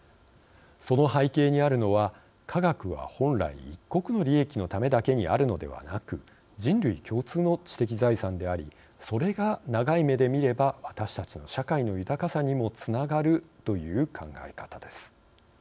その背景にあるのは科学は本来一国の利益のためだけにあるのではなく人類共通の知的財産でありそれが長い目で見れば私たちの社会の豊かさにもつながるという考え方です。